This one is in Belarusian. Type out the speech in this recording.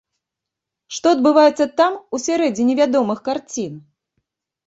Што адбываецца там, у сярэдзіне вядомых карцін?